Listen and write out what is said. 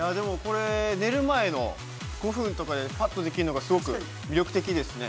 ◆寝る前の５分とかでぱっとできるのが、すごく魅力的ですね。